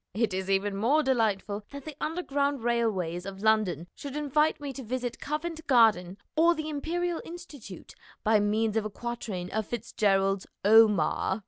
It is even more delightful that the Underground Railways of London should invite me to visit Covent Garden or the Imperial Institute by means of a quatrain of FitzGerald's "Omar."